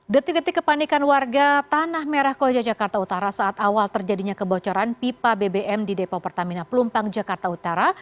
detik detik kepanikan warga tanah merah koja jakarta utara saat awal terjadinya kebocoran pipa bbm di depo pertamina pelumpang jakarta utara